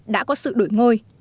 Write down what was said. đã có sự đổi ngôi